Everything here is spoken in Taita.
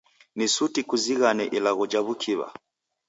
Ni suti kuzighane ilagho ja w'ukiw'a.